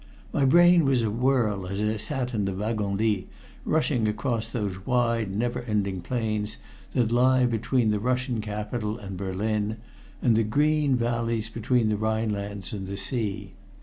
My brain was awhirl as I sat in the wagon lit rushing across those wide, never ending plains that lie between the Russian capital and Berlin and the green valleys between the Rhine lands and the sea.